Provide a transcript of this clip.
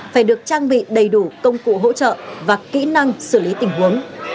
phải được trang bị đầy đủ công cụ hỗ trợ và kỹ năng xử lý tình huống